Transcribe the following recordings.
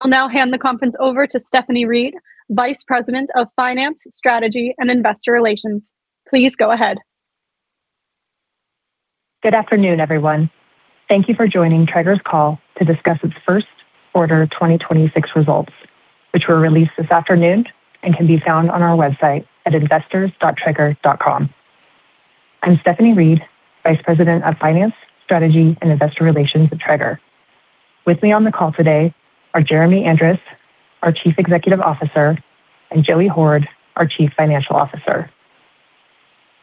I'll now hand the conference over to Stephanie Reed, Vice President of Finance, Strategy, and Investor Relations. Please go ahead. Good afternoon, everyone. Thank you for joining Traeger's call to discuss its first quarter 2026 results, which were released this afternoon and can be found on our website at investors.traeger.com. I'm Stephanie Reed, Vice President of Finance, Strategy, and Investor Relations at Traeger. With me on the call today are Jeremy Andrus, our Chief Executive Officer, and Joey Hord, our Chief Financial Officer.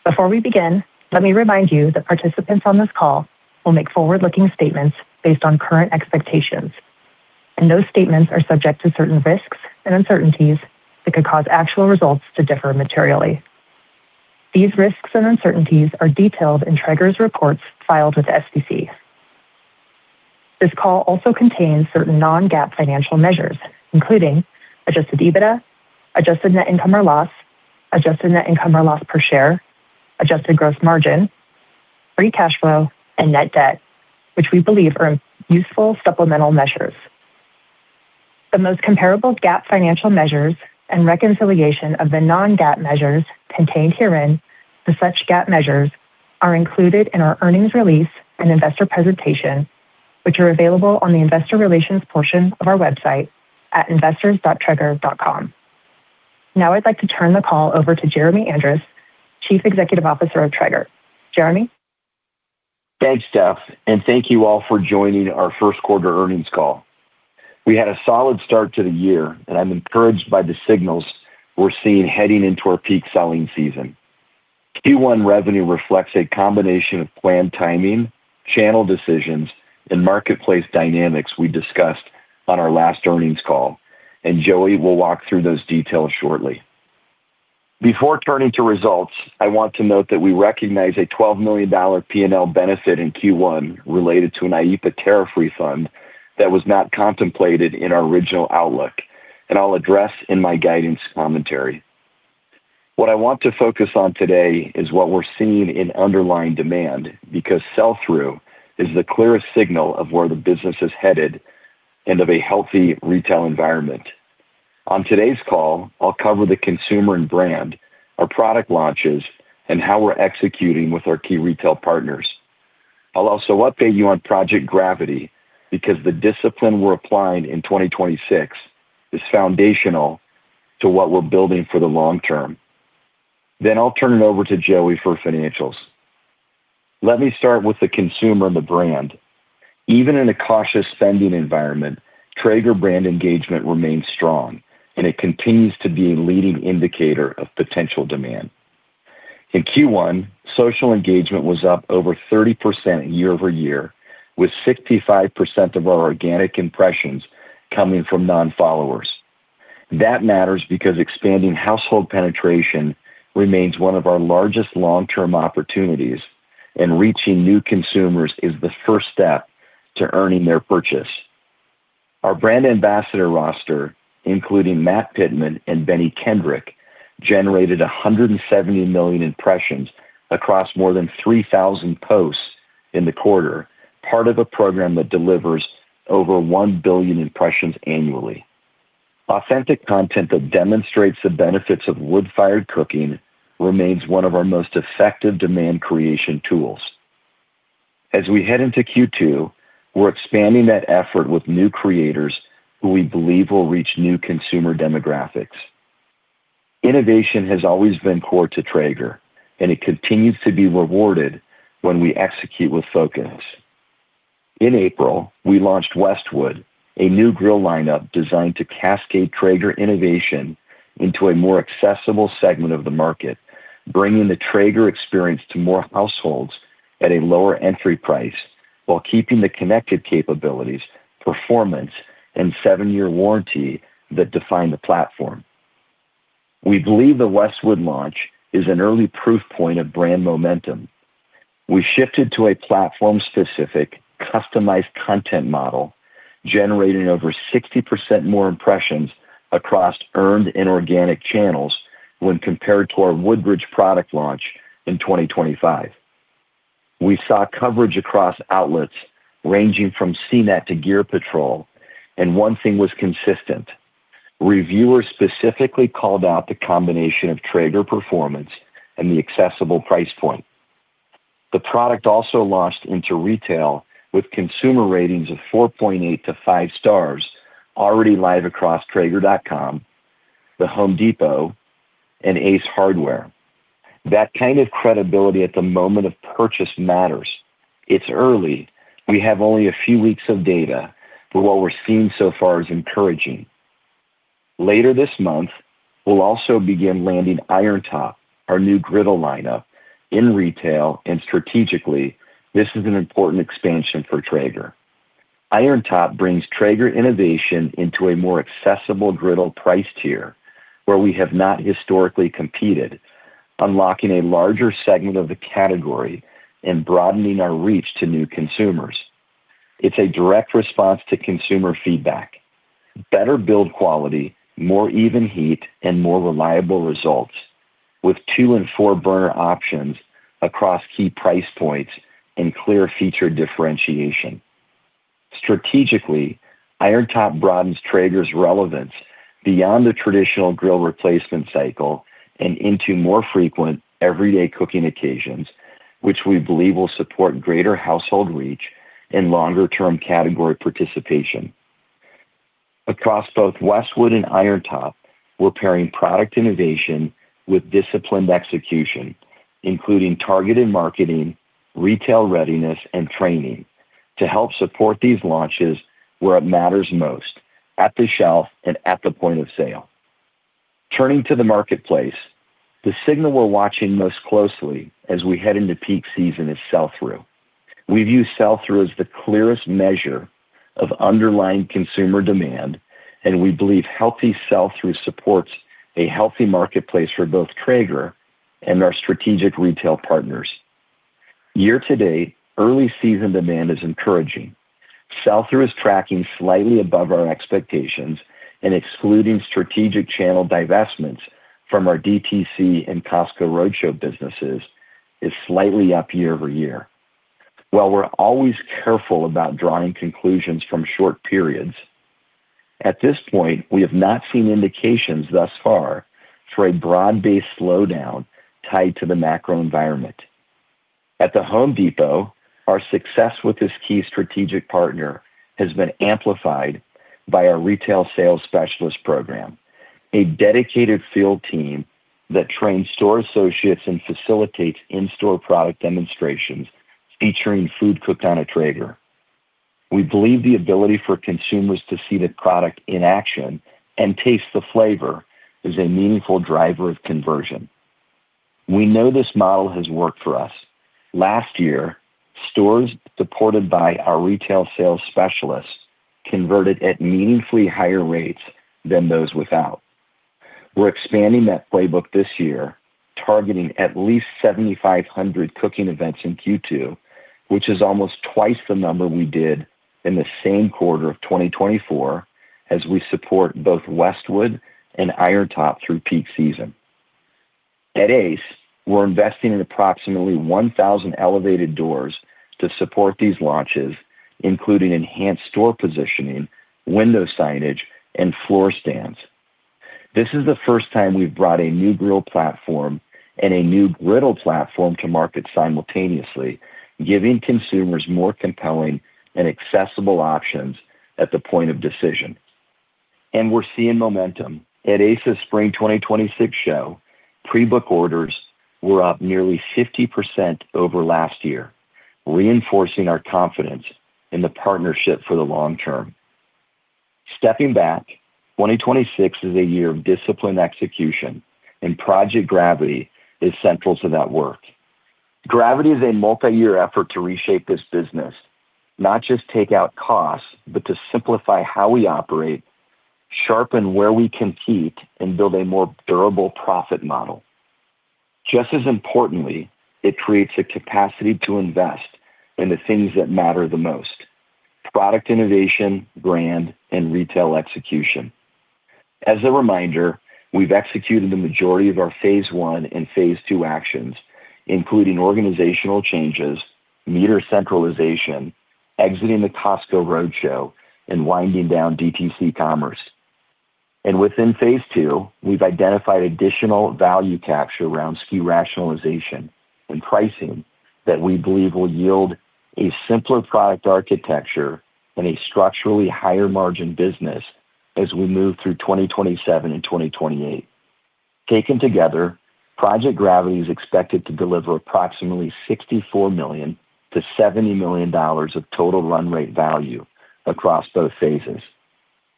Before we begin, let me remind you that participants on this call will make forward-looking statements based on current expectations, and those statements are subject to certain risks and uncertainties that could cause actual results to differ materially. These risks and uncertainties are detailed in Traeger's reports filed with the SEC. This call also contains certain non-GAAP financial measures, including adjusted EBITDA, adjusted net income or loss, adjusted net income or loss per share, adjusted gross margin, free cash flow, and net debt, which we believe are useful supplemental measures. The most comparable GAAP financial measures and reconciliation of the non-GAAP measures contained herein to such GAAP measures are included in our earnings release and investor presentation, which are available on the investor relations portion of our website at investors.traeger.com. Now I'd like to turn the call over to Jeremy Andrus, Chief Executive Officer of Traeger. Jeremy? Thanks, Steph, and thank you all for joining our first quarter earnings call. We had a solid start to the year, and I'm encouraged by the signals we're seeing heading into our peak selling season. Q1 revenue reflects a combination of planned timing, channel decisions, and marketplace dynamics we discussed on our last earnings call, and Joey will walk through those details shortly. Before turning to results, I want to note that we recognize a $12 million P&L benefit in Q1 related to an IEPA tariff refund that was not contemplated in our original outlook, and I'll address in my guidance commentary. What I want to focus on today is what we're seeing in underlying demand, because sell-through is the clearest signal of where the business is headed and of a healthy retail environment. On today's call, I'll cover the consumer and brand, our product launches, and how we're executing with our key retail partners. I'll also update you on Project Gravity because the discipline we're applying in 2026 is foundational to what we're building for the long term. I'll turn it over to Joey for financials. Let me start with the consumer and the brand. Even in a cautious spending environment, Traeger brand engagement remains strong, and it continues to be a leading indicator of potential demand. In Q1, social engagement was up over 30% year-over-year, with 65% of our organic impressions coming from non-followers. That matters because expanding household penetration remains one of our largest long-term opportunities, and reaching new consumers is the first step to earning their purchase. Our brand ambassador roster, including Matt Pittman and Bennie Kendrick, generated 170 million impressions across more than 3,000 posts in the quarter, part of a program that delivers over 1 billion impressions annually. Authentic content that demonstrates the benefits of wood-fired cooking remains one of our most effective demand creation tools. As we head into Q2, we're expanding that effort with new creators who we believe will reach new consumer demographics. Innovation has always been core to Traeger, and it continues to be rewarded when we execute with focus. In April, we launched Westwood, a new grill lineup designed to cascade Traeger innovation into a more accessible segment of the market, bringing the Traeger experience to more households at a lower entry price while keeping the connected capabilities, performance, and seven-year warranty that define the platform. We believe the Westwood launch is an early proof point of brand momentum. We shifted to a platform-specific customized content model, generating over 60% more impressions across earned and organic channels when compared to our Woodridge product launch in 2025. One thing was consistent: reviewers specifically called out the combination of Traeger performance and the accessible price point. The product also launched into retail with consumer ratings of 4.8 to five stars already live across traeger.com, The Home Depot, and Ace Hardware. That kind of credibility at the moment of purchase matters. It's early. We have only a few weeks of data, what we're seeing so far is encouraging. Later this month, we'll also begin landing Irontop, our new griddle lineup, in retail. Strategically, this is an important expansion for Traeger. Irontop brings Traeger innovation into a more accessible griddle price tier where we have not historically competed, unlocking a larger segment of the category and broadening our reach to new consumers. It's a direct response to consumer feedback. Better build quality, more even heat, and more reliable results. With two and four burner options across key price points and clear feature differentiation. Strategically, Irontop broadens Traeger's relevance beyond the traditional grill replacement cycle and into more frequent everyday cooking occasions, which we believe will support greater household reach and longer-term category participation. Across both Westwood and Irontop, we're pairing product innovation with disciplined execution, including targeted marketing, retail readiness, and training to help support these launches where it matters most, at the shelf and at the point of sale. Turning to the marketplace, the signal we're watching most closely as we head into peak season is sell-through. We view sell-through as the clearest measure of underlying consumer demand, and we believe healthy sell-through supports a healthy marketplace for both Traeger and our strategic retail partners. Year to date, early season demand is encouraging. Sell-through is tracking slightly above our expectations and excluding strategic channel divestments from our DTC and Costco Roadshow businesses is slightly up year-over-year. While we're always careful about drawing conclusions from short periods, at this point, we have not seen indications thus far for a broad-based slowdown tied to the macro environment. At The Home Depot, our success with this key strategic partner has been amplified by our retail sales specialist program, a dedicated field team that trains store associates and facilitates in-store product demonstrations featuring food cooked on a Traeger. We believe the ability for consumers to see the product in action and taste the flavor is a meaningful driver of conversion. We know this model has worked for us. Last year, stores supported by our retail sales specialists converted at meaningfully higher rates than those without. We're expanding that playbook this year, targeting at least 7,500 cooking events in Q2, which is almost twice the number we did in the same quarter of 2024 as we support both Westwood and Irontop through peak season. At Ace, we're investing in approximately 1,000 elevated doors to support these launches, including enhanced store positioning, window signage, and floor stands. This is the first time we've brought a new grill platform and a new griddle platform to market simultaneously, giving consumers more compelling and accessible options at the point of decision. We're seeing momentum. At Ace's Spring 2026 show, pre-book orders were up nearly 50% over last year, reinforcing our confidence in the partnership for the long term. Stepping back, 2026 is a year of disciplined execution, and Project Gravity is central to that work. Gravity is a multi-year effort to reshape this business, not just take out costs, but to simplify how we operate, sharpen where we compete, and build a more durable profit model. Just as importantly, it creates a capacity to invest in the things that matter the most, product innovation, brand, and retail execution. As a reminder, we've executed the majority of our Phase I and Phase II actions, including organizational changes, MEATER centralization, exiting the Costco Roadshow, and winding down DTC commerce. Within Phase II, we've identified additional value capture around SKU rationalization and pricing that we believe will yield a simpler product architecture and a structurally higher margin business as we move through 2027 and 2028. Taken together, Project Gravity is expected to deliver approximately $64 million to $70 million of total run rate value across both phases.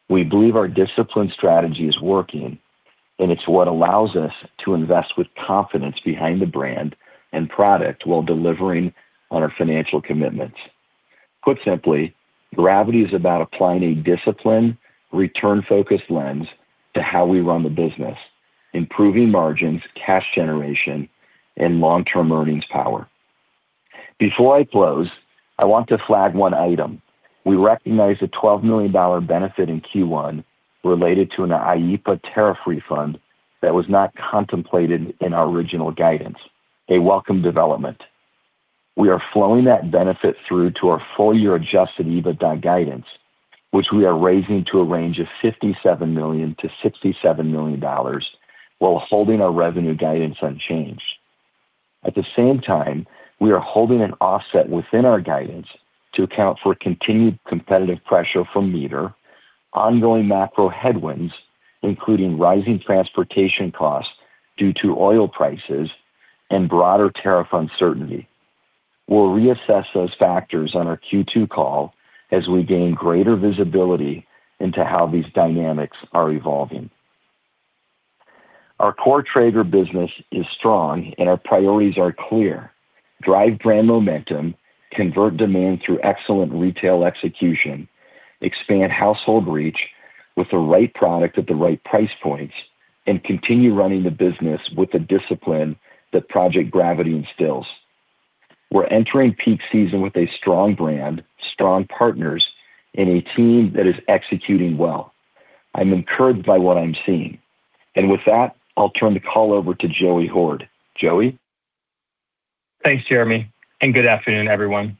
We believe our discipline strategy is working, and it's what allows us to invest with confidence behind the brand and product while delivering on our financial commitments. Put simply, Gravity is about applying a discipline return-focused lens to how we run the business, improving margins, cash generation, and long-term earnings power. Before I close, I want to flag one item. We recognize a $12 million benefit in Q1 related to an IEPA tariff refund that was not contemplated in our original guidance, a welcome development. We are flowing that benefit through to our full-year adjusted EBITDA guidance, which we are raising to a range of $57 million-$67 million while holding our revenue guidance unchanged. At the same time, we are holding an offset within our guidance to account for continued competitive pressure from MEATER, ongoing macro headwinds, including rising transportation costs due to oil prices and broader tariff uncertainty. We'll reassess those factors on our Q2 call as we gain greater visibility into how these dynamics are evolving. Our core Traeger business is strong, and our priorities are clear. Drive brand momentum, convert demand through excellent retail execution, expand household reach with the right product at the right price points, and continue running the business with the discipline that Project Gravity instills. We're entering peak season with a strong brand, strong partners, and a team that is executing well. I'm encouraged by what I'm seeing. With that, I'll turn the call over to Joey Hord. Joey? Thanks, Jeremy, and good afternoon, everyone.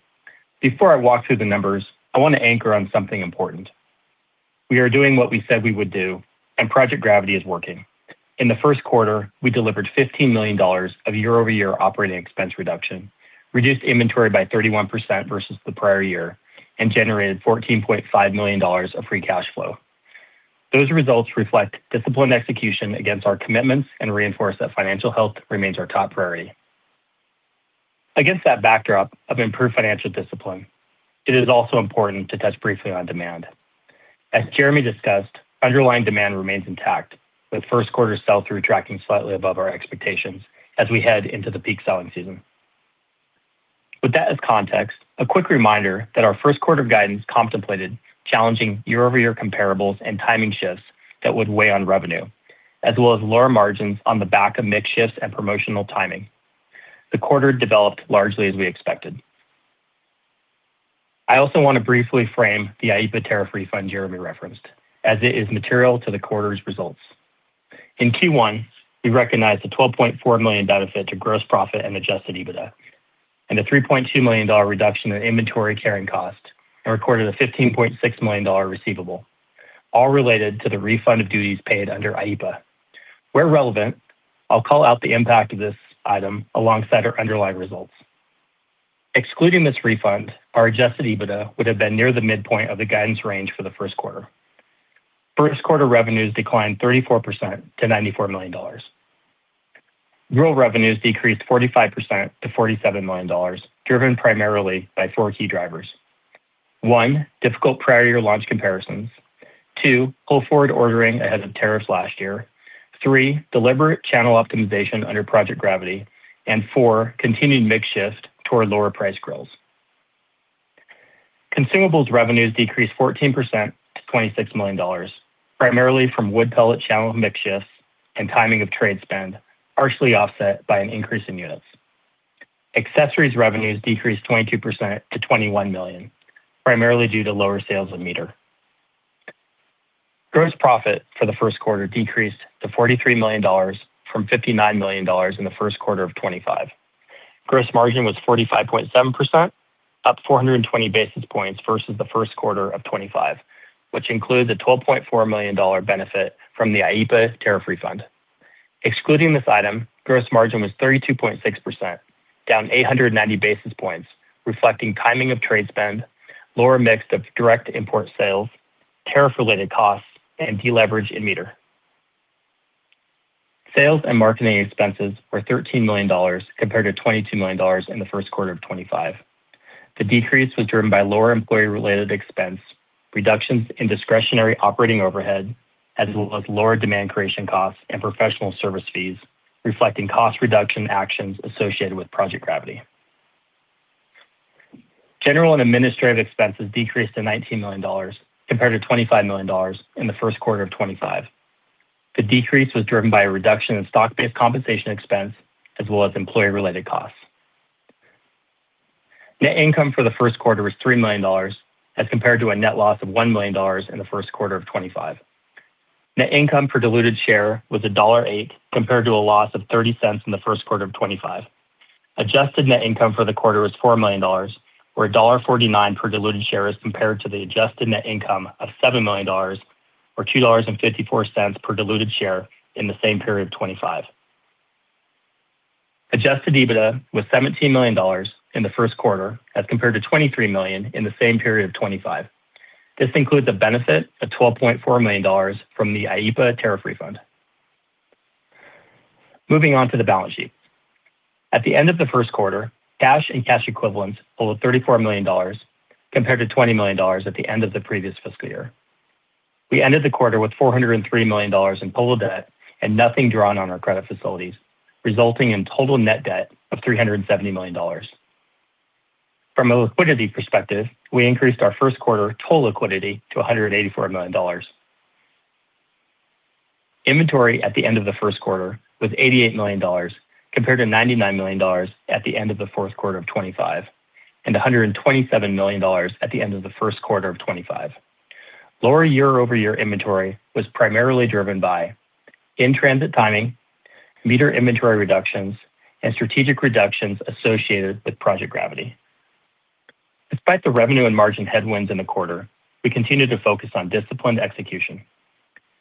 Before I walk through the numbers, I want to anchor on something important. We are doing what we said we would do, and Project Gravity is working. In the first quarter, we delivered $15 million of year-over-year operating expense reduction, reduced inventory by 31% versus the prior year, and generated $14.5 million of free cash flow. Those results reflect disciplined execution against our commitments and reinforce that financial health remains our top priority. Against that backdrop of improved financial discipline, it is also important to touch briefly on demand. As Jeremy discussed, underlying demand remains intact, with first quarter sell-through tracking slightly above our expectations as we head into the peak selling season. With that as context, a quick reminder that our first quarter guidance contemplated challenging year-over-year comparables and timing shifts that would weigh on revenue, as well as lower margins on the back of mix shifts and promotional timing. The quarter developed largely as we expected. I also want to briefly frame the IEPA tariff refund Jeremy referenced, as it is material to the quarter's results. In Q1, we recognized a $12.4 million benefit to gross profit and adjusted EBITDA, and a $3.2 million reduction in inventory carrying cost, and recorded a $15.6 million receivable, all related to the refund of duties paid under IEPA. Where relevant, I'll call out the impact of this item alongside our underlying results. Excluding this refund, our adjusted EBITDA would have been near the midpoint of the guidance range for the first quarter. First quarter revenues declined 34% to $94 million. Rural revenues decreased 45% to $47 million, driven primarily by four key drivers. One, difficult prior year launch comparisons. Two, pull forward ordering ahead of tariffs last year. Three, deliberate channel optimization under Project Gravity. And four, continued mix shift toward lower price grills. Consumables revenues decreased 14% to $26 million, primarily from wood pellet channel mix shifts and timing of trade spend, partially offset by an increase in units. Accessories revenues decreased 22% to $21 million, primarily due to lower sales in MEATER. Gross profit for the first quarter decreased to $43 million from $59 million in the first quarter of 2025. Gross margin was 45.7%, up 420 basis points versus the first quarter of 2025, which includes a $12.4 million benefit from the IEPA tariff refund. Excluding this item, gross margin was 32.6%, down 890 basis points, reflecting timing of trade spend, lower mix of direct import sales, tariff-related costs, and deleverage in MEATER. Sales and marketing expenses were $13 million compared to $22 million in the first quarter of 2025. The decrease was driven by lower employee-related expense, reductions in discretionary operating overhead, as well as lower demand creation costs and professional service fees, reflecting cost reduction actions associated with Project Gravity. General and administrative expenses decreased to $19 million compared to $25 million in the first quarter of 2025. The decrease was driven by a reduction in stock-based compensation expense as well as employee-related costs. Net income for the first quarter was $3 million as compared to a net loss of $1 million in the first quarter of 2025. Net income per diluted share was $1.08 compared to a loss of $0.30 in the first quarter of 2025. Adjusted net income for the quarter was $4 million or $1.49 per diluted share as compared to the Adjusted net income of $7 million or $2.54 per diluted share in the same period of 2025. Adjusted EBITDA was $17 million in the first quarter as compared to $23 million in the same period of 2025. This includes a benefit of $12.4 million from the IEPA tariff refund. Moving on to the balance sheet. At the end of the first quarter, cash and cash equivalents total $34 million compared to $20 million at the end of the previous fiscal year. We ended the quarter with $403 million in total debt and nothing drawn on our credit facilities, resulting in total net debt of $370 million. From a liquidity perspective, we increased our first quarter total liquidity to $184 million. Inventory at the end of the first quarter was $88 million compared to $99 million at the end of the fourth quarter of 2025 and $127 million at the end of the first quarter of 2025. Lower year-over-year inventory was primarily driven by in-transit timing, MEATER inventory reductions, and strategic reductions associated with Project Gravity. Despite the revenue and margin headwinds in the quarter, we continued to focus on disciplined execution.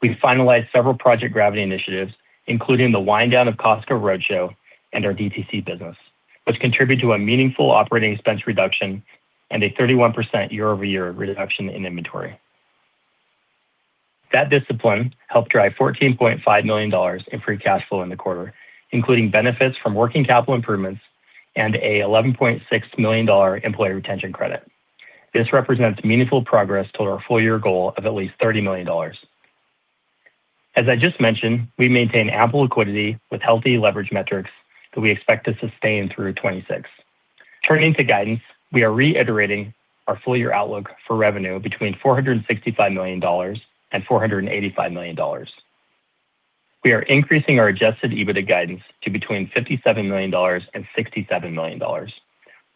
We finalized several Project Gravity initiatives, including the wind down of Costco Roadshow and our DTC business, which contribute to a meaningful operating expense reduction and a 31% year-over-year reduction in inventory. That discipline helped drive $14.5 million in free cash flow in the quarter, including benefits from working capital improvements and an $11.6 million Employee Retention Credit. This represents meaningful progress toward our full-year goal of at least $30 million. As I just mentioned, we maintain ample liquidity with healthy leverage metrics that we expect to sustain through 2026. Turning to guidance, we are reiterating our full-year outlook for revenue between $465 million and $485 million. We are increasing our adjusted EBITDA guidance to between $57 million and $67 million,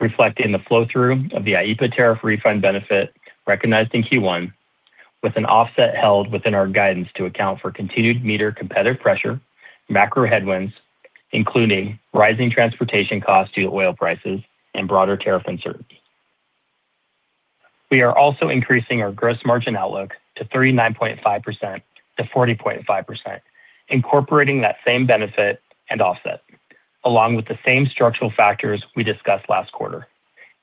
reflecting the flow-through of the IEPA tariff refund benefit recognized in Q1 with an offset held within our guidance to account for continued MEATER competitive pressure, macro headwinds, including rising transportation costs due to oil prices and broader tariff uncertainty. We are also increasing our gross margin outlook to 39.5%-40.5%, incorporating that same benefit and offset along with the same structural factors we discussed last quarter,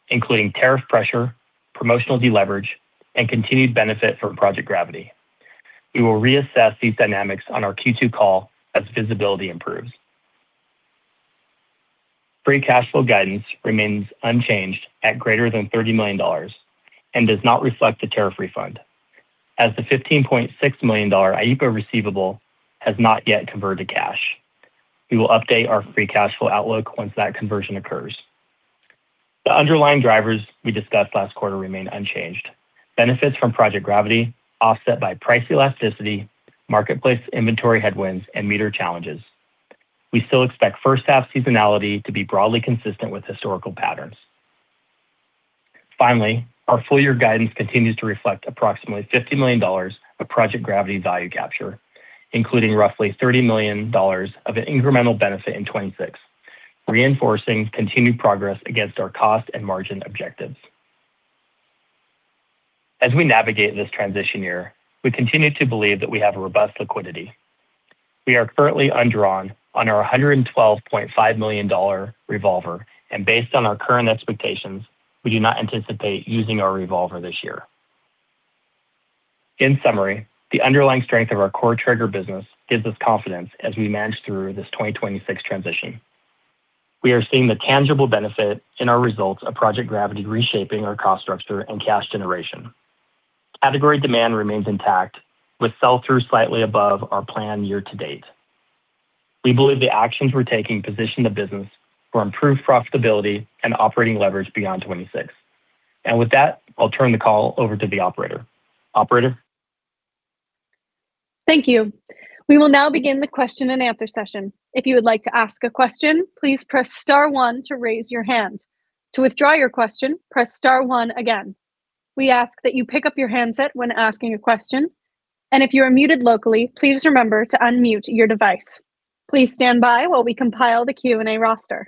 including tariff pressure, promotional deleverage, and continued benefit from Project Gravity. We will reassess these dynamics on our Q2 call as visibility improves. Free cash flow guidance remains unchanged at greater than $30 million and does not reflect the tariff refund. The $15.6 million IEPA receivable has not yet converted to cash. We will update our free cash flow outlook once that conversion occurs. The underlying drivers we discussed last quarter remain unchanged. Benefits from Project Gravity offset by price elasticity, marketplace inventory headwinds, and MEATER challenges. We still expect first half seasonality to be broadly consistent with historical patterns. Finally, our full year guidance continues to reflect approximately $50 million of Project Gravity value capture, including roughly $30 million of incremental benefit in 2026, reinforcing continued progress against our cost and margin objectives. As we navigate this transition year, we continue to believe that we have a robust liquidity. We are currently undrawn on our $112.5 million revolver, and based on our current expectations, we do not anticipate using our revolver this year. In summary, the underlying strength of our core Traeger business gives us confidence as we manage through this 2026 transition. We are seeing the tangible benefit in our results of Project Gravity reshaping our cost structure and cash generation. Category demand remains intact, with sell-through slightly above our plan year to date. We believe the actions we're taking position the business for improved profitability and operating leverage beyond 2026. With that, I'll turn the call over to the operator. Operator? Thank you. We will now begin the question and answer session. If you would like to ask a question, please press star 1 to raise your hand. To withdraw your question, press star 1 again. We ask that you pick up your handset when asking a question. If you are muted locally, please remember to unmute your device. Please stand by while we compile the Q&A roster.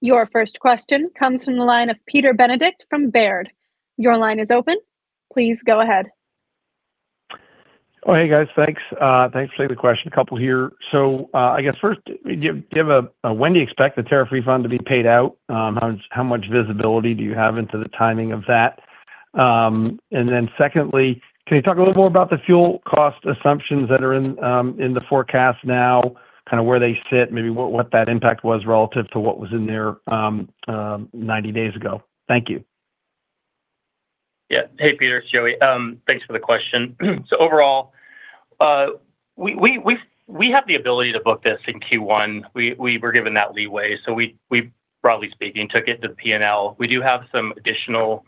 Your first question comes from the line of Peter Benedict from Baird. Your line is open. Please go ahead. Oh, hey, guys. Thanks, thanks for taking the question. A couple here. I guess first, do you have a, when do you expect the tariff refund to be paid out? How much visibility do you have into the timing of that? Secondly, can you talk a little more about the fuel cost assumptions that are in the forecast now, kinda where they sit, maybe what that impact was relative to what was in there, 90 days ago? Thank you. Yeah. Hey, Peter, it's Joey. Thanks for the question. Overall, we have the ability to book this in Q1. We were given that leeway, we broadly speaking, took it to P&L. We do have some additional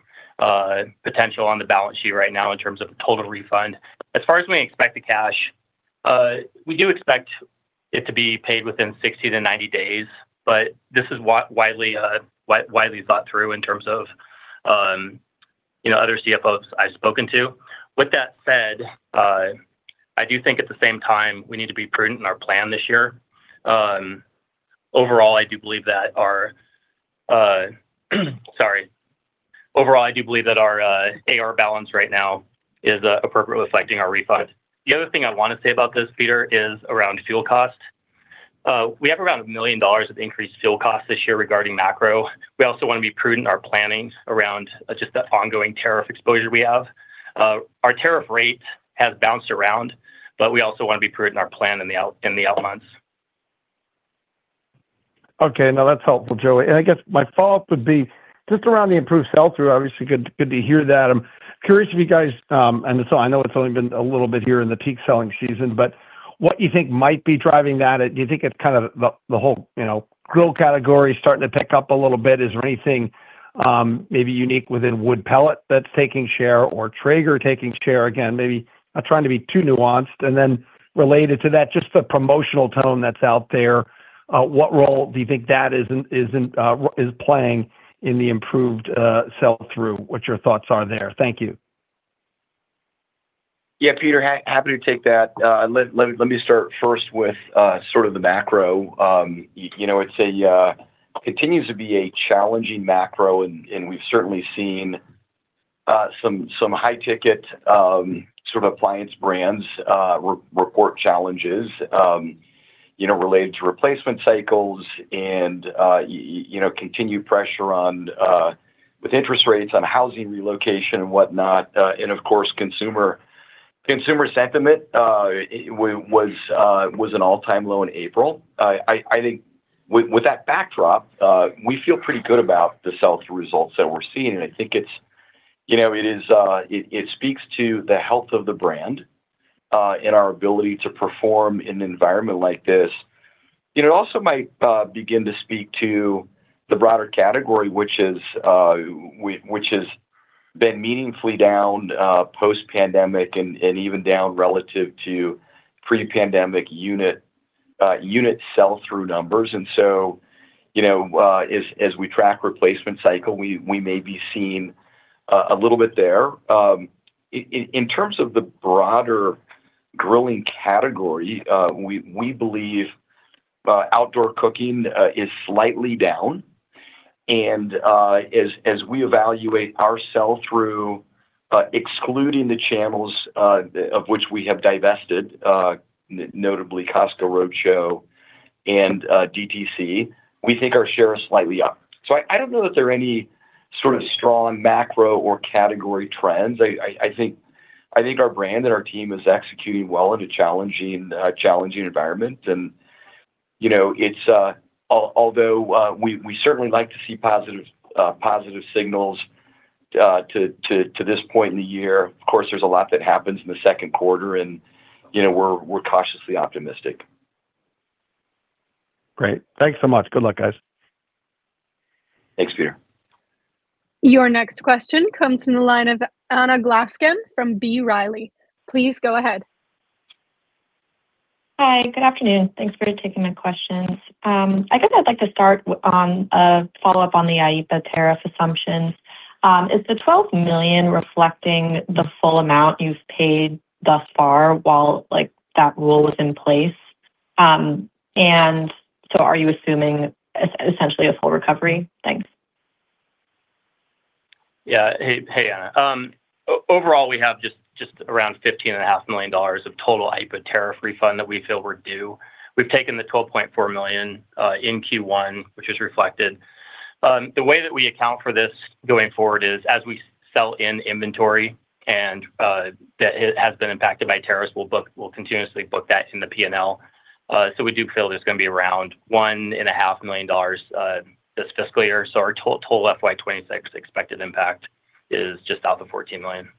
potential on the balance sheet right now in terms of total refund. As far as we expect the cash, we do expect it to be paid within 60-90 days. This is widely thought through in terms of, you know, other CFOs I've spoken to. With that said, I do think at the same time, we need to be prudent in our plan this year. Overall, I do believe that our AR balance right now is appropriately reflecting our refunds. The other thing I wanna say about this, Peter, is around fuel cost. We have around $1 million of increased fuel cost this year regarding macro. We also wanna be prudent in our planning around just the ongoing tariff exposure we have. Our tariff rate has bounced around, but we also wanna be prudent in our plan in the out months. Okay. No, that's helpful, Joey. I guess my follow-up would be just around the improved sell-through, obviously, good to hear that. I'm curious if you guys, I know it's only been a little bit here in the peak selling season, but what you think might be driving that. Do you think it's kind of the whole, you know, grill category starting to pick up a little bit? Is there anything, maybe unique within wood pellet that's taking share or Traeger taking share? Again, maybe not trying to be too nuanced. Related to that, just the promotional tone that's out there, what role do you think that is playing in the improved sell-through? What your thoughts are there. Thank you. Yeah, Peter, happy to take that. Let me start first with sort of the macro. You know, it's a continues to be a challenging macro and we've certainly seen some high ticket sort of appliance brands report challenges, you know, related to replacement cycles and, you know, continued pressure on with interest rates on housing relocation and whatnot. And of course, consumer sentiment was an all-time low in April. I think with that backdrop, we feel pretty good about the sell-through results that we're seeing. And I think it's, you know, it is it speaks to the health of the brand and our ability to perform in an environment like this It also might begin to speak to the broader category, which has been meaningfully down post-pandemic and even down relative to pre-pandemic unit sell-through numbers. You know, as we track replacement cycle, we may be seeing a little bit there. In terms of the broader grilling category, we believe outdoor cooking is slightly down. As we evaluate our sell-through, excluding the channels of which we have divested, notably Costco Roadshow and DTC, we think our share is slightly up. I don't know that there are any sort of strong macro or category trends. I think our brand and our team is executing well in a challenging environment. You know, it's, although we certainly like to see positive positive signals to this point in the year. Of course, there's a lot that happens in the second quarter and, you know, we're cautiously optimistic. Great. Thanks so much. Good luck, guys. Thanks, Peter. Your next question comes from the line of Anna Glaessgen from B. Riley. Please go ahead. Hi, good afternoon. Thanks for taking my questions. I guess I'd like to start on follow-up on the IEPA tariff assumptions. Is the $12 million reflecting the full amount you've paid thus far while, like, that rule was in place? Are you assuming essentially a full recovery? Thanks. Yeah. Hey, hey, Anna. Overall, we have just around $15 and a half million of total IEPA tariff refund that we feel we're due. We've taken the $12.4 million in Q1, which is reflected. The way that we account for this going forward is, as we sell in inventory and that has been impacted by tariffs, we'll continuously book that in the P&L. We do feel there's going to be around $1 and a half million this fiscal year. Our total FY 2026 expected impact is just off of $14 million.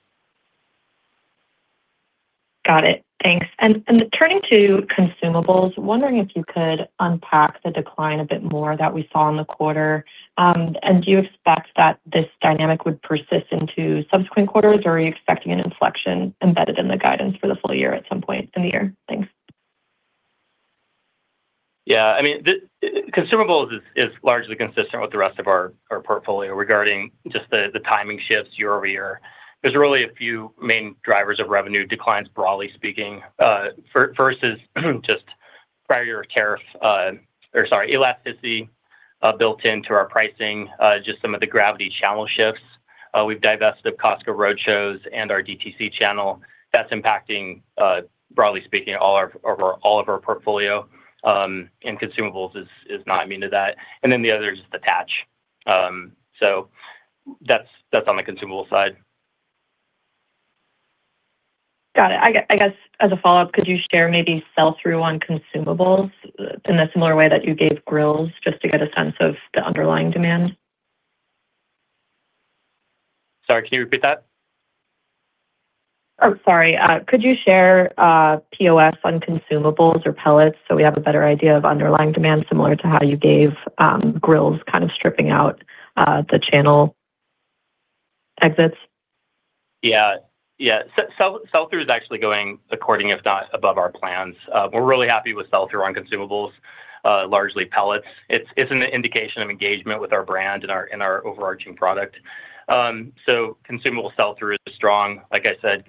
Got it. Thanks. Turning to consumables, wondering if you could unpack the decline a bit more that we saw in the quarter. Do you expect that this dynamic would persist into subsequent quarters, or are you expecting an inflection embedded in the guidance for the full year at some point in the year? Thanks. Yeah, I mean, the consumables is largely consistent with the rest of our portfolio regarding just the timing shifts year over year. There's really a few main drivers of revenue declines, broadly speaking. First is just prior tariff, or, sorry, elasticity, built into our pricing, just some of the Gravity channel shifts. We've divested of Costco Roadshows and our DTC channel. That's impacting, broadly speaking, all of our portfolio. Consumables is not immune to that. The other is just attach. That's on the consumable side. Got it. I guess as a follow-up, could you share maybe sell-through on consumables in a similar way that you gave grills, just to get a sense of the underlying demand? Sorry, can you repeat that? Oh, sorry. Could you share POS on consumables or pellets, so we have a better idea of underlying demand, similar to how you gave grills kind of stripping out the channel exits? Yeah. Yeah. Sell-through is actually going according, if not above our plans. We're really happy with sell-through on consumables, largely pellets. It's an indication of engagement with our brand and our overarching product. So consumable sell-through is strong, like I said,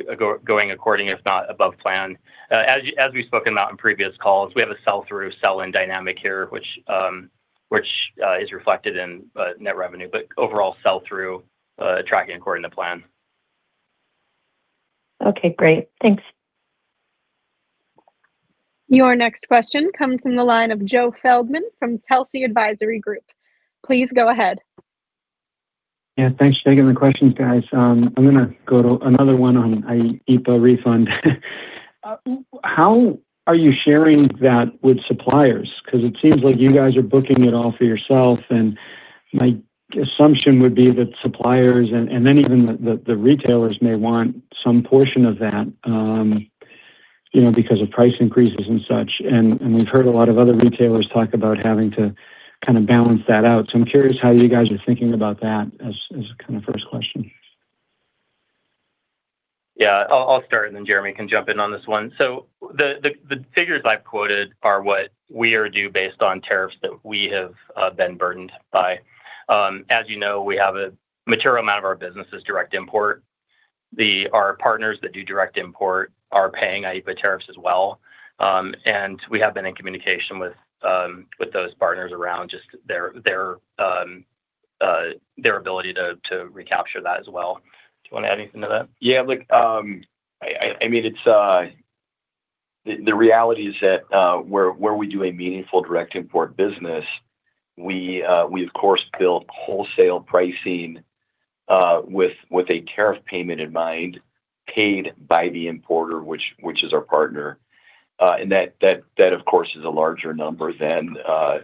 going according, if not above plan. As we've spoken about in previous calls, we have a sell-through, sell-in dynamic here, which is reflected in net revenue. Overall, sell-through tracking according to plan. Okay, great. Thanks. Your next question comes from the line of Joe Feldman from Telsey Advisory Group. Please go ahead. Yeah, thanks for taking the questions, guys. I'm gonna go to another one on IEPA refund. How are you sharing that with suppliers? 'Cause it seems like you guys are booking it all for yourself, and my assumption would be that suppliers and then even the retailers may want some portion of that, you know, because of price increases and such. We've heard a lot of other retailers talk about having to kind of balance that out. I'm curious how you guys are thinking about that as kind of first question. I'll start and then Jeremy can jump in on this one. The figures I've quoted are what we are due based on tariffs that we have been burdened by. As you know, we have a material amount of our business is direct import. Our partners that do direct import are paying IEPA tariffs as well. We have been in communication with those partners around just their ability to recapture that as well. Do you wanna add anything to that? Yeah. Look, the reality is that, where we do a meaningful direct import business, we of course build wholesale pricing with a tariff payment in mind paid by the importer, which is our partner. That of course is a larger number than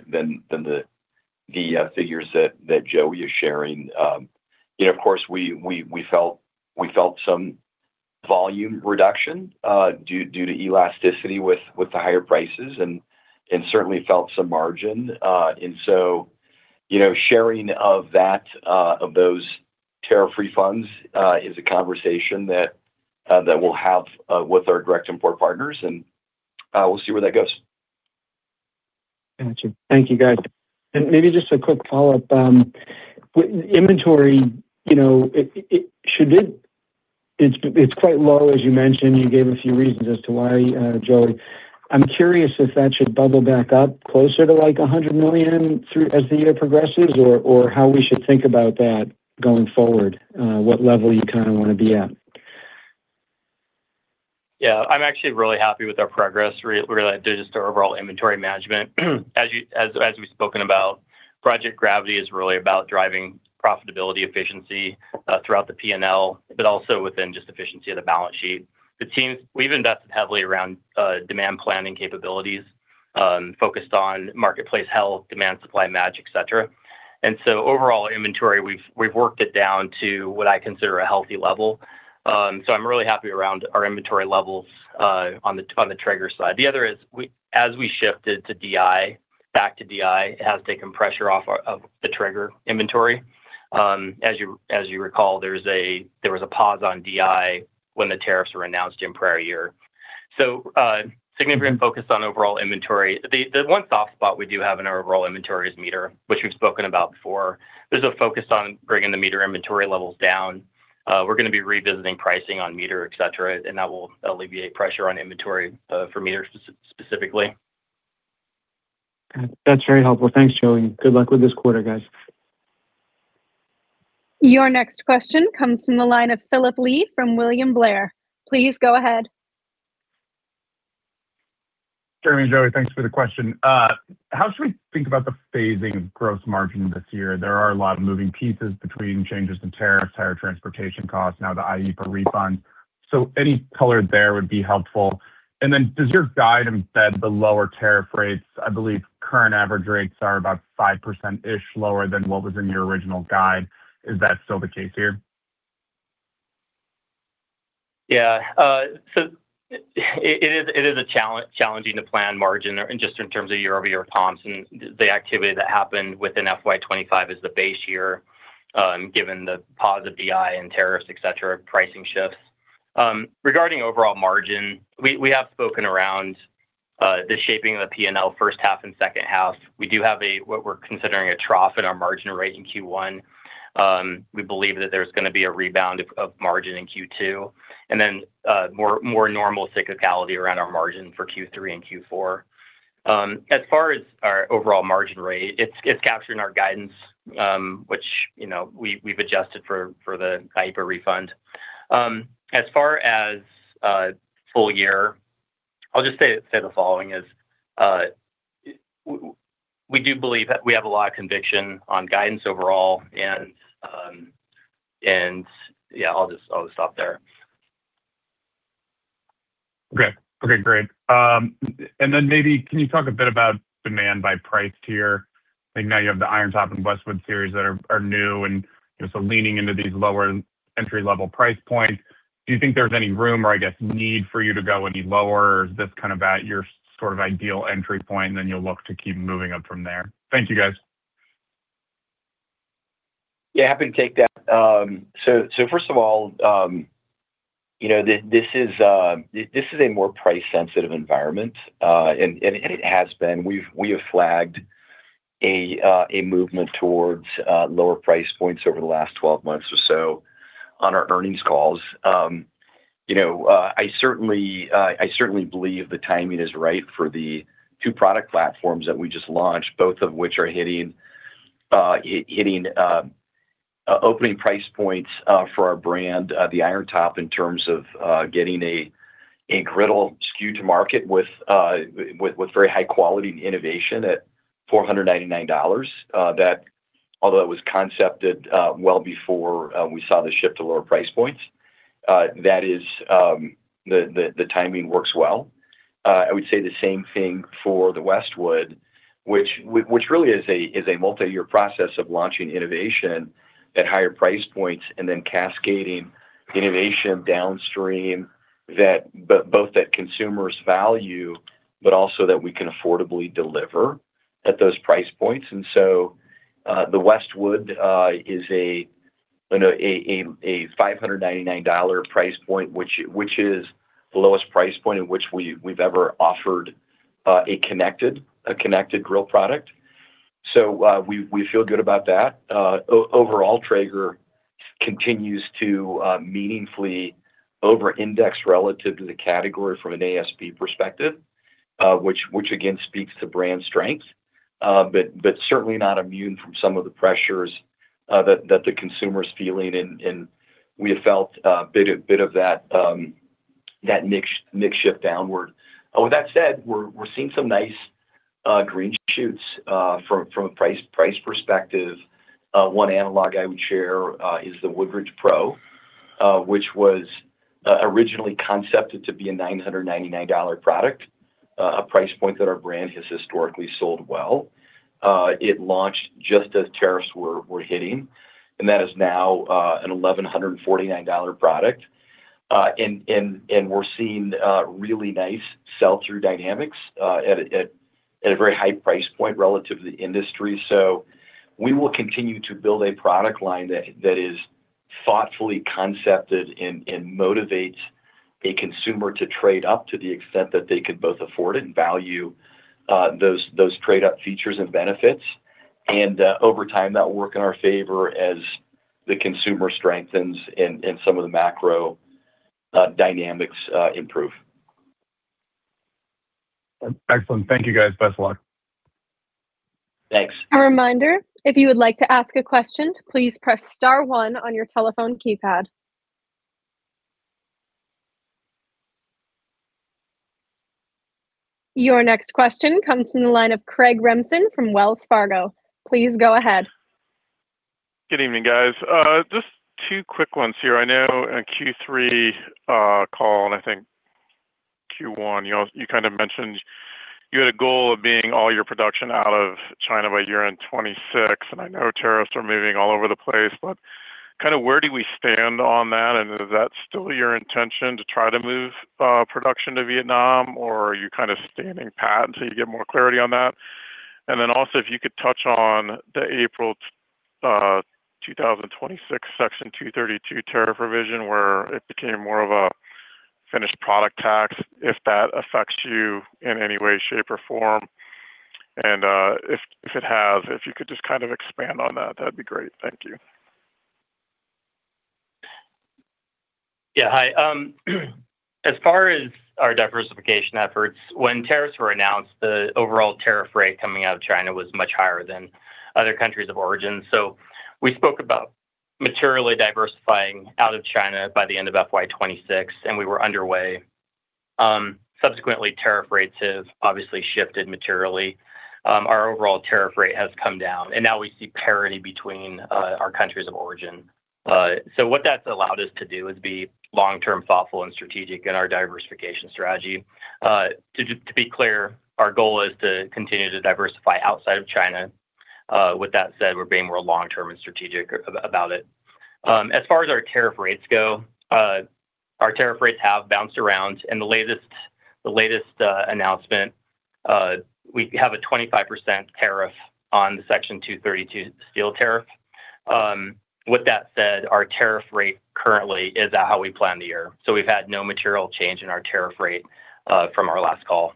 the figures that Joe is sharing. You know, of course, we felt some volume reduction due to elasticity with the higher prices and certainly felt some margin. You know, sharing of that of those tariff refunds is a conversation that we'll have with our direct import partners, we'll see where that goes. Got you. Thank you, guys. Maybe just a quick follow-up. inventory, you know, it's quite low, as you mentioned. You gave a few reasons as to why, Joey. I'm curious if that should bubble back up closer to, like, $100 million as the year progresses or how we should think about that going forward, what level you kinda wanna be at. Yeah. I'm actually really happy with our progress, just our overall inventory management. As we've spoken about, Project Gravity is really about driving profitability efficiency throughout the P&L, but also within just efficiency of the balance sheet. We've invested heavily around demand planning capabilities, focused on marketplace health, demand supply match, et cetera. Overall inventory, we've worked it down to what I consider a healthy level. I'm really happy around our inventory levels on the Traeger side. The other is as we shifted to DI, back to DI, it has taken pressure off the Traeger inventory. As you recall, there was a pause on DI when the tariffs were announced in prior year. significant focus on overall inventory. The one soft spot we do have in our overall inventory is MEATER, which we've spoken about before. There's a focus on bringing the MEATER inventory levels down. We're gonna be revisiting pricing on MEATER, et cetera, and that will alleviate pressure on inventory for MEATER specifically. Got it. That's very helpful. Thanks, Joey. Good luck with this quarter, guys. Your next question comes from the line of Philip Blee from William Blair. Please go ahead. Jeremy and Joey, thanks for the question. How should we think about the phasing of gross margin this year? There are a lot of moving pieces between changes in tariffs, higher transportation costs, now the IEPA refund. Any color there would be helpful. Does your guide embed the lower tariff rates? I believe current average rates are about 5%-ish lower than what was in your original guide. Is that still the case here? Yeah. It is challenging to plan margin just in terms of year-over-year comps and the activity that happened within FY 2025 as the base year, given the pause of DI and tariffs, et cetera, pricing shifts. Regarding overall margin, we have spoken around the shaping of the P&L first half and second half. We do have a, what we're considering a trough in our margin rate in Q1. We believe that there's gonna be a rebound of margin in Q2, and then normal cyclicality around our margin for Q3 and Q4. As far as our overall margin rate, it's capturing our guidance, which, you know, we've adjusted for the IEPA refund. As far as full year, I'll just say the following is, we do believe that we have a lot of conviction on guidance overall, and yeah, I'll just stop there. Okay. Okay, great. Then maybe can you talk a bit about demand by price tier? I think now you have the Irontop and Westwood series that are new and, you know, leaning into these lower entry-level price points. Do you think there's any room or, I guess, need for you to go any lower? Is this kind of at your sort of ideal entry point, and then you'll look to keep moving up from there? Thank you, guys. Yeah, happy to take that. First of all, this is a more price-sensitive environment, and it has been. We have flagged a movement towards lower price points over the last 12 months or so on our earnings calls. I certainly believe the timing is right for the two product platforms that we just launched, both of which are hitting opening price points for our brand, the Irontop, in terms of getting a griddle SKU to market with very high quality and innovation at $499. That although it was concepted well before we saw the shift to lower price points, the timing works well. I would say the same thing for the Westwood, which really is a multi-year process of launching innovation at higher price points and then cascading innovation downstream that both consumers value but also that we can affordably deliver at those price points. The Westwood is a, you know, a $599 price point, which is the lowest price point at which we've ever offered a connected grill product. We feel good about that. Overall, Traeger continues to meaningfully over-index relative to the category from an ASP perspective, which again speaks to brand strength. Certainly not immune from some of the pressures that the consumer's feeling and we have felt a bit of that mix shift downward. With that said, we're seeing some nice green shoots from a price perspective. One analog I would share is the Woodridge Pro, which was originally concepted to be a $999 product. A price point that our brand has historically sold well. It launched just as tariffs were hitting, and that is now a $1,149 product. We're seeing really nice sell-through dynamics at a very high price point relative to the industry. We will continue to build a product line that is thoughtfully concepted and motivates a consumer to trade up to the extent that they could both afford it and value those trade-up features and benefits. Over time, that will work in our favor as the consumer strengthens and some of the macro dynamics improve. Excellent. Thank you, guys. Best of luck. Thanks. A reminder, if you would like to ask a question, please press star one on your telephone keypad. Your next question comes from the line of Craig Remsen from Wells Fargo. Please go ahead. Good evening, guys. Just two quick ones here. I know in Q3 call, and I think Q1, you know, you kind of mentioned you had a goal of being all your production out of China by year-end 2026, and I know tariffs are moving all over the place. Kinda where do we stand on that, and is that still your intention to try to move production to Vietnam, or are you kind of standing pat until you get more clarity on that? Then also, if you could touch on the April 2026 Section 232 tariff provision, where it became more of a finished product tax, if that affects you in any way, shape, or form. If it has, if you could just kind of expand on that'd be great. Thank you. Hi. As far as our diversification efforts, when tariffs were announced, the overall tariff rate coming out of China was much higher than other countries of origin. We spoke about materially diversifying out of China by the end of FY 2026, and we were underway. Subsequently, tariff rates have obviously shifted materially. Our overall tariff rate has come down, and now we see parity between our countries of origin. What that's allowed us to do is be long-term thoughtful and strategic in our diversification strategy. To be clear, our goal is to continue to diversify outside of China. With that said, we're being more long-term and strategic about it. As far as our tariff rates go, our tariff rates have bounced around. In the latest announcement, we have a 25% tariff on the Section 232 steel tariff. With that said, our tariff rate currently is at how we planned the year. We've had no material change in our tariff rate from our last call.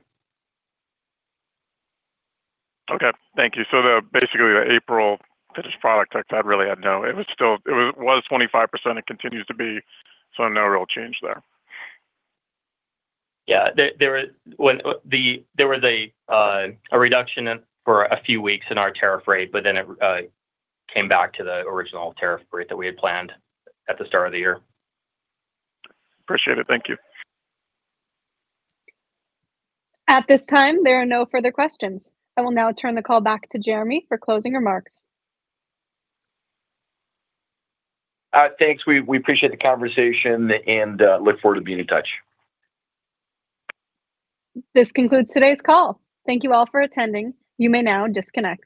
Okay. Thank you. Basically the April finished product tax, it was still 25%. It continues to be, no real change there. Yeah. There was a reduction in, for a few weeks in our tariff rate. It came back to the original tariff rate that we had planned at the start of the year. Appreciate it. Thank you. At this time, there are no further questions. I will now turn the call back to Jeremy for closing remarks. Thanks. We appreciate the conversation and look forward to being in touch. This concludes today's call. Thank you all for attending. You may now disconnect.